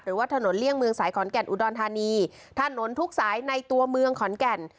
หรือว่าถนนเลี่ยงเมืองสายขอนแก่นอุดรธานีถนนทุกสายในตัวเมืองขอนแก่น